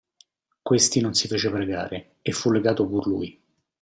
Questi non si fece pregare, e fu legato pur lui.